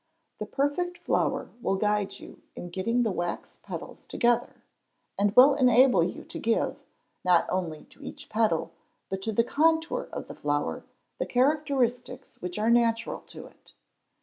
The perfect flower will guide you in getting the wax petals together, and will enable you to give, not only to each petal but to the contour of the flower, the characteristics which are natural to it.